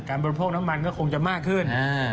บริโภคน้ำมันก็คงจะมากขึ้น